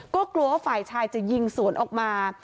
ก็กลัวว่าฝ่ายชายจะยิงสวนออกมา